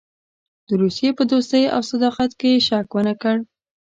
د روسیې په دوستۍ او صداقت کې یې شک ونه کړ.